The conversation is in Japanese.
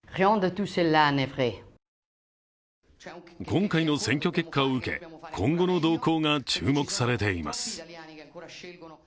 今回の選挙結果を受け、今後の動向が注目されています。